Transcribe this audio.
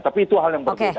tapi itu hal yang berbeda